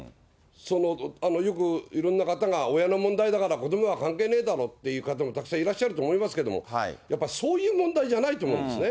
よくいろんな方が、親の問題だから、子どもは関係ねえだろという方もたくさんいらっしゃると思いますけども、やっぱりそういう問題じゃないと思うんですね。